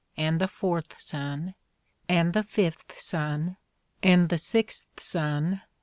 . and the fourth sonne ... and the fifth sonne ... and the sixth sonne